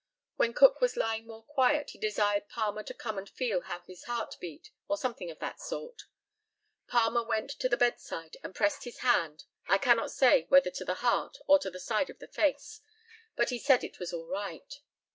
When Cook was lying more quiet he desired Palmer to come and feel how his heart beat, or something of that sort. Palmer went to the bedside, and pressed his hand, I cannot say whether to the heart or to the side of the face, but he said it was all right.